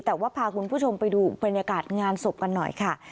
แต่ว่าพาคุณผู้ชมไปดูบรรยากาศงานศพกันหน่อยค่ะ